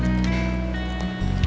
engga baru kok